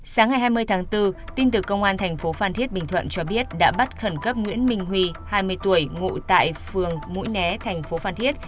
sáng ngày hai mươi tháng bốn tin từ công an thành phố phan thiết bình thuận cho biết đã bắt khẩn cấp nguyễn minh huy hai mươi tuổi ngụ tại phường mũi né thành phố phan thiết